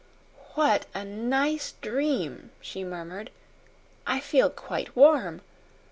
"What a nice dream!" she murmured. "I feel quite warm.